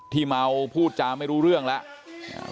เมาพูดจาไม่รู้เรื่องแล้ว